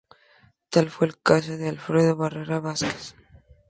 Tal fue el caso de Alfredo Barrera Vásquez.